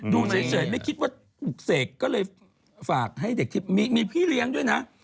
ดูเฉยไม่คิดว่าถูกเสกก็เลยฝากให้เด็กที่มีพี่เลี้ยงด้วยนะ